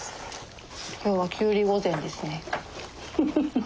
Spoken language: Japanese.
今日はきゅうり御膳ですね。